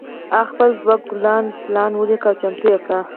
هغه خپل دوه کلن پلان وليکه او چمتو يې کړ.